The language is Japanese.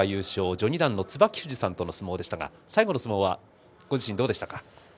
序二段の椿富士さんとの相撲でしたが最後の相撲はご自身、どうでしたか？